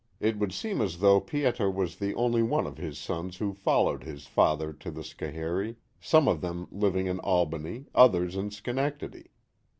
It would seem as though Pieter was the only one of his sons who followed his father to the Schoharie, some of them living in Albany, others in Schenectady.